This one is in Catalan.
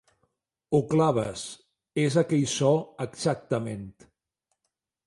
Ho claves, és aquell so exactament.